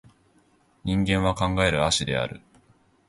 人間は考える葦である